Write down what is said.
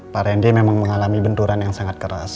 pak rende memang mengalami benturan yang sangat keras